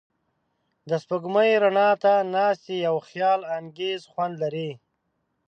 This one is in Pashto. د سپوږمۍ رڼا ته ناستې یو خیالانګیز خوند لري.